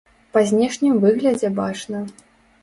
Па знешнім выглядзе бачна.